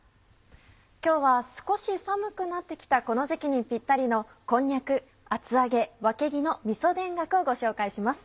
今日は少し寒くなって来たこの時期にぴったりの「こんにゃく厚揚げわけぎのみそ田楽」をご紹介します。